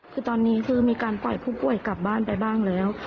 คือตอนนี้คือมีการปล่อยผู้ป่วยกลับบ้านไปบ้างแล้ว